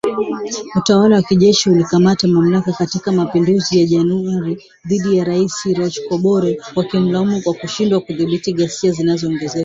Utawala wa kijeshi ulikamata mamlaka katika mapinduzi ya Januari dhidi ya Rais Roch Kabore wakimlaumu kwa kushindwa kudhibiti ghasia zinazoongezeka .